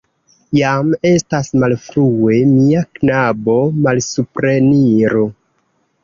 Jam estas malfrue, mia knabo, malsupreniru.